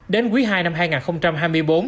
đến quý ii năm hai nghìn hai mươi bốn